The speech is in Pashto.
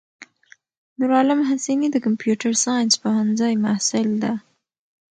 نورعالم حسیني دکمپیوټر ساینس پوهنځی محصل ده.